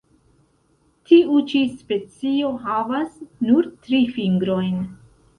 Tiu ĉi specio havas nur tri fingrojn.